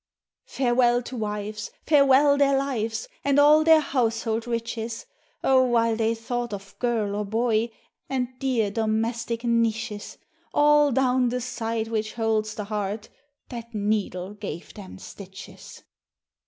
Farewell to wives, farewell their lives, And all their household riches; Oh! while they thought of girl or boy, And dear domestic niches, All down the side which holds the heart, That needle gave them stitches.